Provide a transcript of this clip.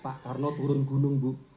pak karno turun gunung bu